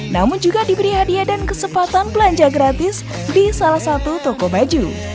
namun juga diberi hadiah dan kesempatan belanja gratis di salah satu toko baju